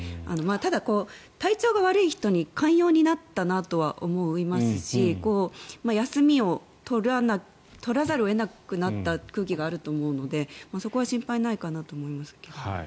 ただ、体調が悪い人に寛容になったなとは思いますし休みを取らざるを得なくなった空気があると思うのでそこは心配ないかなと思いますけれど。